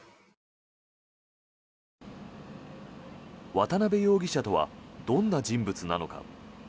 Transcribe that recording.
渡邉容疑者とはどんな人物なのか。